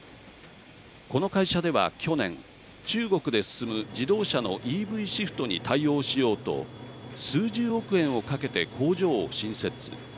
この会社では、去年中国で進む、自動車のＥＶシフトに対応しようと数十億円をかけて工場を新設。